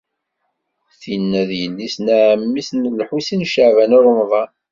Tinna d yelli-s n ɛemmi-s n Lḥusin n Caɛban u Ṛemḍan.